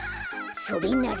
それなら。